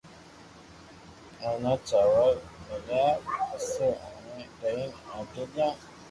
ايتا چاور ميليا پسو اوني لئين آگي گيو